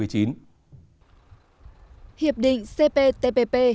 hiệp định cptpp